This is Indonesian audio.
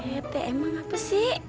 eh teh emang apa sih